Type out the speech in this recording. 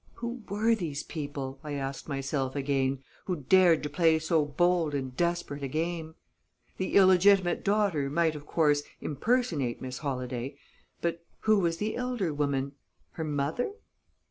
Who were these people, I asked myself again, who dared to play so bold and desperate a game? The illegitimate daughter might, of course, impersonate Miss Holladay; but who was the elder woman? Her mother?